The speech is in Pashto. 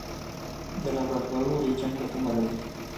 د لابراتوارونو ریجنټ له کومه راځي؟